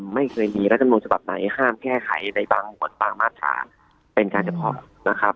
ไม่เคยมีรัฐมนุนฉบับไหนห้ามแก้ไขในบางหนวดบางมาตราเป็นการเฉพาะนะครับ